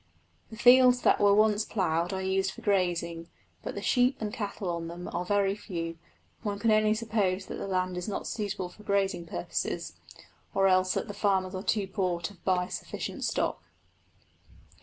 The fields that were once ploughed are used for grazing, but the sheep and cattle on them are very few; one can only suppose that the land is not suitable for grazing purposes, or else that the farmers are too poor to buy sufficient stock.